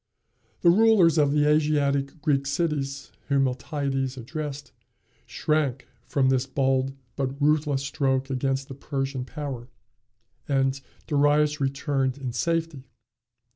The rulers of the Asiatic Greek cities, whom Miltiades addressed, shrank from this bold but ruthless stroke against the Persian power, and Darius returned in safety.